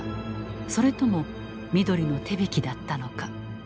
それともミドリの手引きだったのか。